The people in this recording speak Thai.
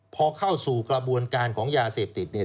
พอเข้าสู่กระบวนการของยาเสพติดเนี่ย